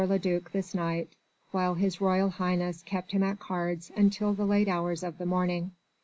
le duc this night, while His Royal Highness kept him at cards until the late hours of the morning.